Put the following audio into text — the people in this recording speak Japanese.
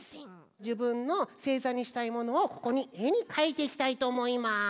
じぶんのせいざにしたいものをここにえにかいていきたいとおもいます。